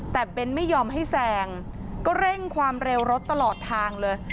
แต่เบ้นไม่ยอมให้แซงก็เร่งความเร็วรถตลอดทางเลย